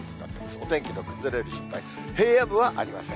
お天気の崩れる心配、平野部はありません。